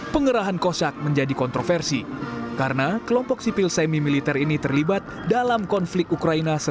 pengerahan kosyak menjadi kontroversi karena kelompok sipil semi militer ini terlibat dalam konflik ukraina